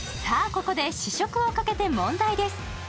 ここで試食をかけて問題です